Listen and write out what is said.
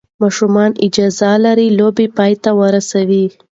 ماشومان اجازه لري لوبه پای ته ورسوي.